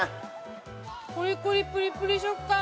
コリコリプリプリ食感。